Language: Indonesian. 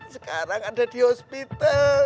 sekarang ada di hospital